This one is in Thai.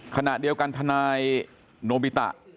ขณะเดียวกันทนายโนบิตะ